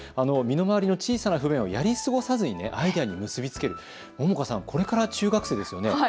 身の回りの小さな不便をやりすごさずにアイデアに結び付ける杏果さん、これから中学生ですよね。